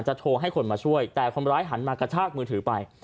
โทรให้คนมาช่วยแต่คนร้ายหันมากระชากมือถือไป